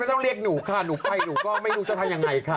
ต้องเรียกหนูค่ะหนูไปหนูก็ไม่รู้จะทำยังไงค่ะ